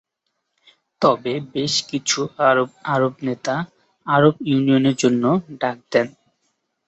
তবে বেশ কিছু আরব নেতা আরব ইউনিয়নের জন্য ডাক দেন।